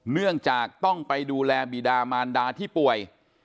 เนื่องจากต้องไปดูแลบีดามารดาที่ป่วย